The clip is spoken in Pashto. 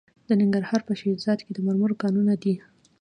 د ننګرهار په شیرزاد کې د مرمرو کانونه دي.